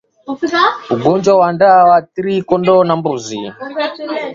Ugonjwa wa ndwa huathiri kondoo na mbuzi